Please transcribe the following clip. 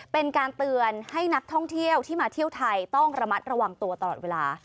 เป็นการเตือนให้นักท่องเที่ยวที่มาเที่ยวไทยต้องระมัดระวังตัวตลอดเวลา